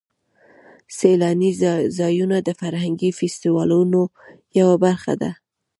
سیلاني ځایونه د فرهنګي فستیوالونو یوه برخه ده.